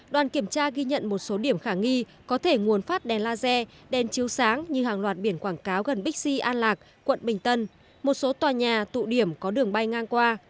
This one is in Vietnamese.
đoàn kiểm tra ghi nhận một số điểm khả nghi có thể nguồn phát đèn laser đèn chiếu sáng như hàng loạt biển quảng cáo gần bixi an lạc quận bình tân một số tòa nhà tụ điểm có đường bay ngang qua